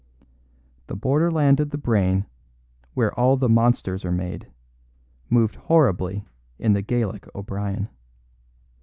The borderland of the brain, where all the monsters are made, moved horribly in the Gaelic O'Brien.